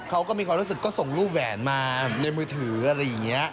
เขาก็มีความรู้สึกก็ส่งรูปแหวนมาในมือถืออะไรอย่างนี้